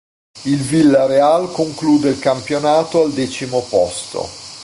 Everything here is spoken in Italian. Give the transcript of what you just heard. Il Villarreal conclude il campionato al decimo posto.